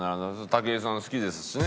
武井さん好きですしね。